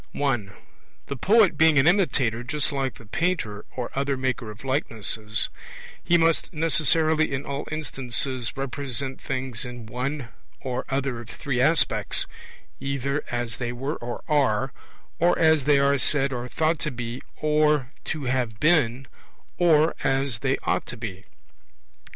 (1) The poet being an imitator just like the painter or other maker of likenesses, he must necessarily in all instances represent things in one or other of three aspects, either as they were or are, or as they are said or thought to be or to have been, or as they ought to be.